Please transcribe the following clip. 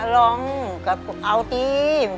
ร้องกับเอาจี้